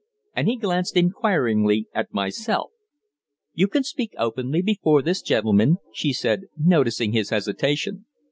And he glanced inquiringly at myself. "You can speak openly before this gentleman," she said, noticing his hesitation.